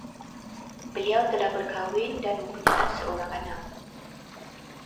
Beliau telah berkahwin dan mempunyai seorang anak